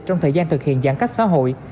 trong thời gian thực hiện giãn cách xã hội